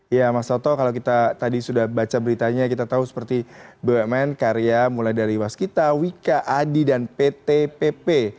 ya mas toto kalau kita tadi sudah baca beritanya kita tahu seperti bumn karya mulai dari waskita wika adi dan pt pp